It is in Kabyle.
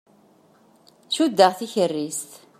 Cuddeɣ tikerrist.